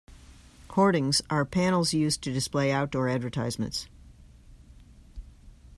Hoardings are panels used to display outdoor advertisements